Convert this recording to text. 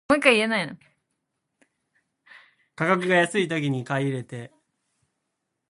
価格が安いときに買い入れて、物価が高騰した時に安く売りだす物価安定策のこと。